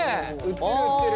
売ってる売ってる。